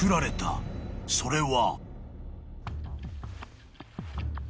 ［それは］